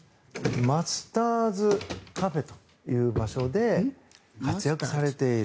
マスターズＣａｆｅという場所で活躍されている。